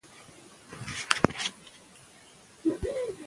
ځینې شاعران د پوهې څښتنان ګڼل کېږي.